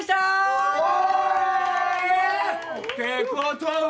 おお！ってことは？